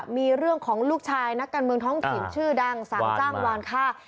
มีเรื่องของลูกชายนักการเมืองท้องถิ่นชื่อดังสั่งจ้างวานค่า